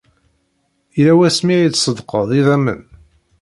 Yella wasmi ay tṣeddqeḍ idammen?